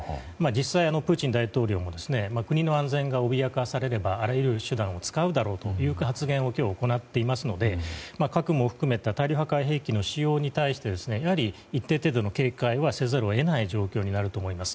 実際、プーチン大統領も国の安全が脅かされればあらゆる手段を使うだろうといった発言を今日行っていますので核も含めた大量破壊兵器の使用に対してやはり一定程度の警戒はせざるを得ない状況になると思います。